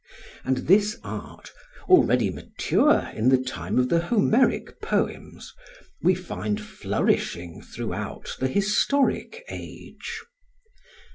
And this art, already mature in the time of the Homeric poems, we find flourishing throughout the historic age.